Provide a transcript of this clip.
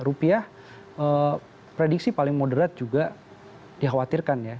rupiah prediksi paling moderat juga dikhawatirkan ya